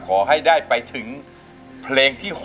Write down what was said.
ขอให้ได้ไปถึงเพลงที่๖